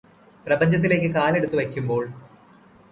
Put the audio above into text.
പ്രപഞ്ചത്തിലേയ്ക് കാലെടുത്തുവെയ്കുമ്പോള്